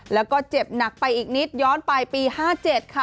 แล้วก็เจ็บหนักไปอีกนิดย้อนไปปี๕๗ค่ะ